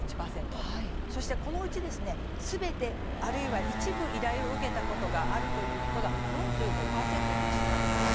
そして、このうちですねすべて、あるいは一部依頼を受けたことがある人が４５％に達したんですね。